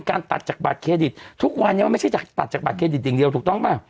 ตัดจากบัตรเครดิตทุกวันนี้มันไม่ใช่จากตัดจากบัตเครดิตอย่างเดียวถูกต้องป่ะ